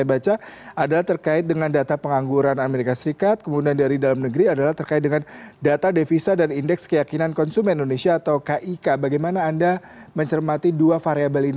bahkan ini merupakan salah satu sektor yang menurut kami jadi favorit